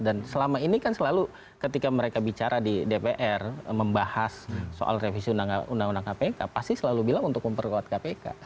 dan selama ini kan selalu ketika mereka bicara di dpr membahas soal revisi undang undang kpk pasti selalu bilang untuk memperkuat kpk